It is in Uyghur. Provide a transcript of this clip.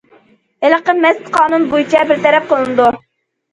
ھېلىقى مەست قانۇن بويىچە بىر تەرەپ قىلىنىدۇ.